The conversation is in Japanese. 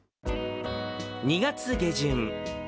２月下旬。